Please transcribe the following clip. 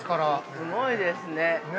◆すごいですね。